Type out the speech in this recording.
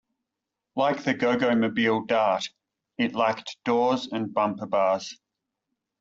Like the Goggomobil Dart it lacked doors and bumper bars.